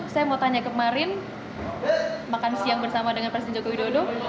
saya mau tanya kemarin makan siang bersama dengan presiden joko widodo